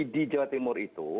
di jawa timur itu